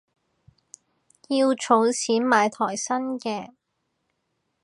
要儲錢買台新嘅